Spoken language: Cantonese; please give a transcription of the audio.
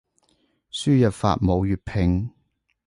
輸入法冇粵拼